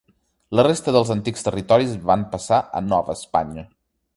La resta dels antics territoris van passar a Nova Espanya.